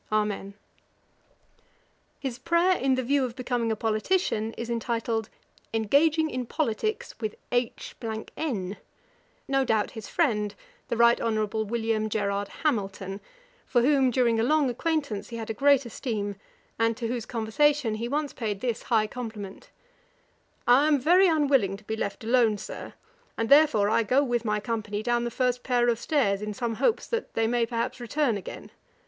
Amen.' [Page 490: Johnson's introduction to the Thrales. A.D. 1765.] His prayer in the view of becoming a politician is entitled, 'Engaging in POLITICKS with H n,' no doubt his friend, the Right Honourable William Gerard Hamilton, for whom, during a long acquaintance, he had a great esteem, and to whose conversation he once paid this high compliment: 'I am very unwilling to be left alone, Sir, and therefore I go with my company down the first pair of stairs, in some hopes that they may, perhaps, return again.